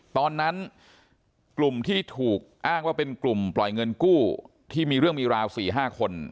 ตอนนั้นกลุ่มที่ถูกอ้างว่าเป็นกลุ่มปล่อยเงินกู้ที่มีเรื่องมีราว๔๕คน